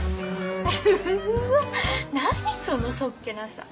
そのそっけなさ。